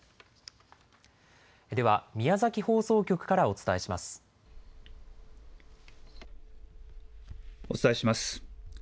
では、宮崎放送局からお伝えしまお伝えします。